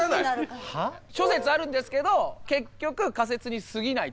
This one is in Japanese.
諸説あるんですけど結局仮説にすぎないと。